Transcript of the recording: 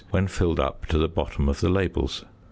when filled up to the bottom of the labels.